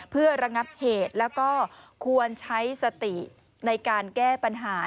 เพื่อระงับเหตุแล้วก็ควรใช้สติในการแก้ปัญหา